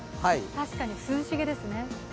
確かに涼しげですね。